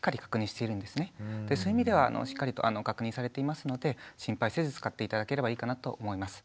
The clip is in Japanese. そういう意味ではしっかりと確認されていますので心配せず使って頂ければいいかなと思います。